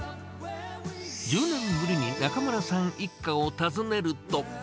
１０年ぶりに中邑さん一家を訪ねると。